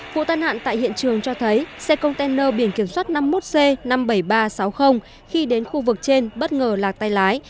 vụ tai nạn tại hiện trường cho thấy xe container biển kiểm soát năm mươi một c năm mươi bảy nghìn ba trăm sáu mươi khi đến khu vực trên bất ngờ lạc tay lái